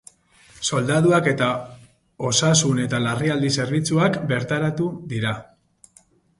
Soldaduak eta osasun eta larrialdi zerbitzuak bertaratu dira.